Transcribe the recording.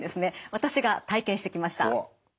私が体験してきました。